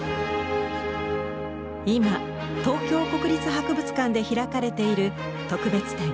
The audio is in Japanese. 今東京国立博物館で開かれている特別展